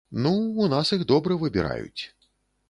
Ну, у нас іх добра выбіраюць.